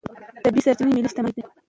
طبیعي سرچینې ملي شتمني ده.